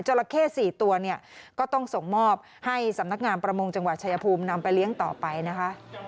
ราเข้๔ตัวเนี่ยก็ต้องส่งมอบให้สำนักงานประมงจังหวัดชายภูมินำไปเลี้ยงต่อไปนะคะ